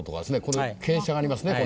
この傾斜がありますね。